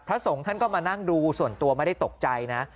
สงฆ์ท่านก็มานั่งดูส่วนตัวไม่ได้ตกใจนะ